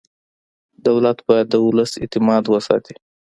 دولت باید د ولس اعتماد وساتي.